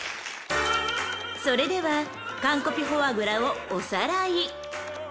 ［それではカンコピフォアグラをおさらい］